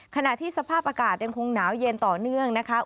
ขณะที่สภาพอากาศยังคงหนาวเย็นต่อเนื่องนะคะ